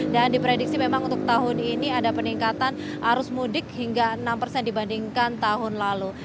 dan diprediksi memang untuk tahun ini ada peningkatan arus mudik hingga enam persen dibandingkan tahun lalu